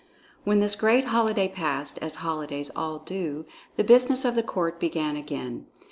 When this great holiday was passed, as holidays all do, the business of the court began again.